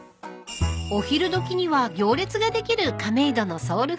［お昼時には行列ができる亀戸のソウルフード］